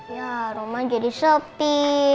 ya rumah jadi sepi